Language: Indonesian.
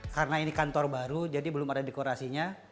karena ini kantor baru jadi belum ada dekorasinya